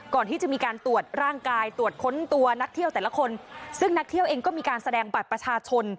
ก่อนที่จะมีการตรวจร่างกายตรวจค้นตัวนักเที่ยวแต่ละคนซึ่งนักเที่ยวเองก็มีการแสดงบัตรประชาชน